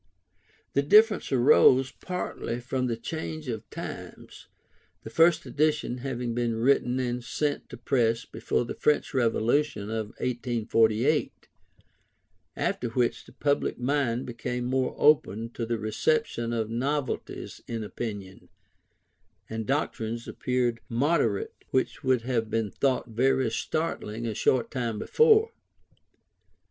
The difference arose partly from the change of times, the first edition having been written and sent to press before the French Revolution of 1848, after which the public mind became more open to the reception of novelties in opinion, and doctrines appeared moderate which would have been thought very startling a short time before.